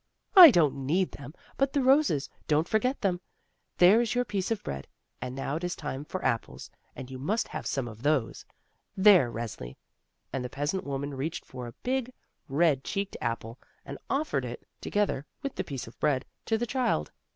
"I don't need them; but the roses — don't for get them ! There is your piece of bread, and now it is time for apples, and you must have some of those. There, Resli!" and the peasant woman reached for a big red cheeked apple, and offered it, together with the piece of bread, to the child.